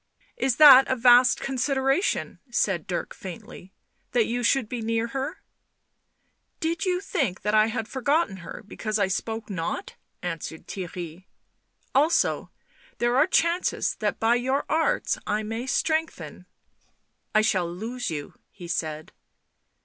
..." "Is that a vast consideration?" said Dirk faintly. " That you should be near her ?"" Did you think +hnt T had forgotten her because I spoke not?" answered Theirry. "Also there are chances that by your arts I may strengthen "" I shall lose you," he said.